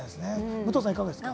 武藤さん、いかがですか？